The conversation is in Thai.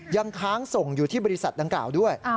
ยังค้างส่งอยู่ที่บริษัทดังกล่าวด้วย